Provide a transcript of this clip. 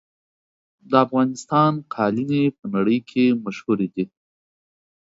د افغانستان قالینې په نړۍ کې مشهورې دي.